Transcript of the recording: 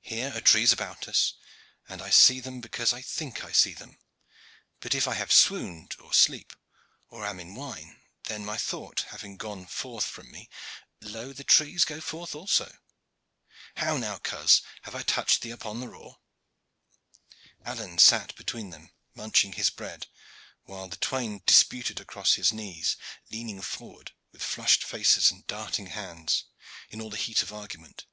Here are trees about us, and I see them because I think I see them, but if I have swooned, or sleep, or am in wine, then, my thought having gone forth from me, lo the trees go forth also. How now, coz, have I touched thee on the raw?" Alleyne sat between them munching his bread, while the twain disputed across his knees, leaning forward with flushed faces and darting hands, in all the heat of argument.